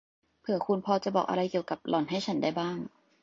เผื่อคุณพอจะบอกอะไรเกี่ยวกับหล่อนให้ฉันได้บ้าง